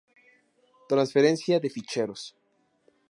Transferencia de ficheros.